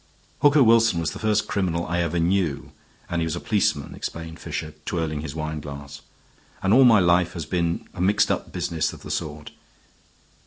"Hooker Wilson was the first criminal I ever knew, and he was a policeman," explained Fisher, twirling his wine glass. "And all my life has been a mixed up business of the sort.